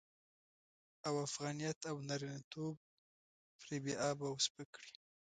او افغانيت او نارينه توب پرې بې آبه او سپک کړي.